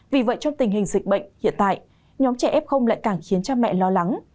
vì vậy trong tình hình dịch bệnh hiện tại nhóm trẻ f lại càng khiến cha mẹ lo lắng